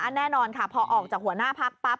แน่นอนค่ะพอออกจากหัวหน้าพักปั๊บ